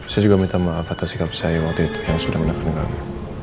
saya juga minta maaf atas sikap saya waktu itu yang sudah menelpon kami